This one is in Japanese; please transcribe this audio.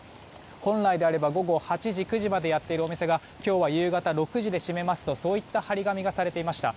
本来であれば午後８時、９時までやっているお店が今日は夕方６時で閉めますとそういった貼り紙がされていました。